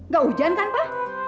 gak hujan kan pak